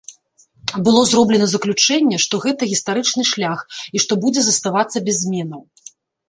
Было зроблена заключэнне, што гэта гістарычны шлях і што будзе заставацца без зменаў.